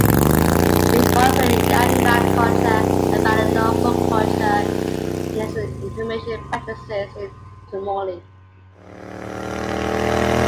It follows the Yamna culture and Balanovo culture in its inhumation practices in tumuli.